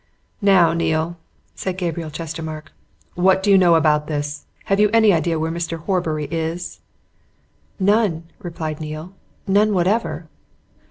"Now, Neale," said Gabriel Chestermarke. "What do you know about this? Have you any idea where Mr. Horbury is?" "None," replied Neale. "None whatever!"